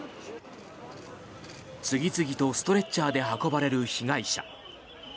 次々とストレッチャーで運ばれる被害者。